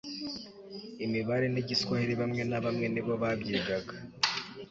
imibare n'igiswahili bamwe na bamwe nibo babyigaga